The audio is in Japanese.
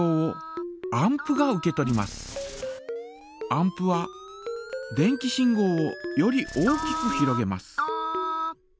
アンプは電気信号をより大きくひろげます。